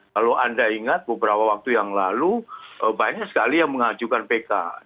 kalau anda ingat beberapa waktu yang lalu banyak sekali yang mengajukan pk